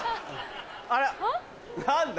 あら何だ？